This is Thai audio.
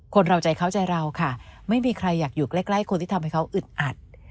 เราใจเขาใจเราค่ะไม่มีใครอยากอยู่ใกล้คนที่ทำให้เขาอึดอัด